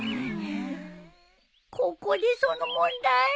ここでその問題？